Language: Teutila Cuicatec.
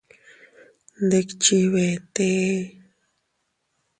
Ndikchi vetee.